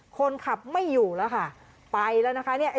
คนขับไม่อยู่แล้วค่ะไปแล้วนะคะเนี่ย